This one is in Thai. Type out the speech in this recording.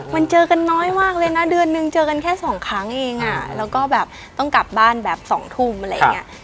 มันเจอกันน้อยมากเลยนะเดือนนึงเจอกันแค่สองครั้งเองอ่ะแล้วก็แบบต้องกลับบ้านแบบ๒ทุ่มอะไรอย่างเงี้ย